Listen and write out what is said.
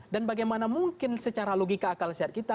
dan bagaimana mungkin secara logika akal sehat kita